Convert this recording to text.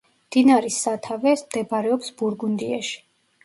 მდინარის სათავე მდებარეობს ბურგუნდიაში.